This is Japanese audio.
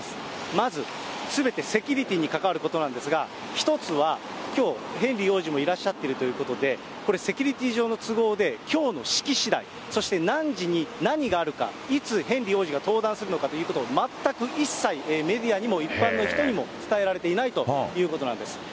まずすべてセキュリティーにかかることなんですが、１つはきょう、ヘンリー王子もいらっしゃっているということで、これ、セキュリティー上の都合で、きょうの式次第、そして何時に何があるか、いつヘンリー王子が登壇するのかということを、全く一切メディアにも一般の人にも伝えられていないということなんです。